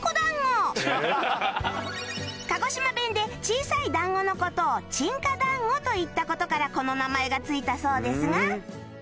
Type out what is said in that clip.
鹿児島弁で小さいだんごの事を「ちんかだんご」と言った事からこの名前が付いたそうですが